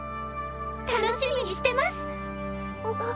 楽しみにしてます